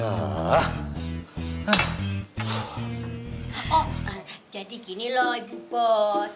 oh jadi gini loh ibu bos